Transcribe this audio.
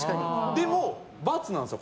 でも、×なんですよ。